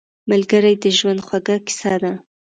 ملګری د ژوند خوږه کیسه ده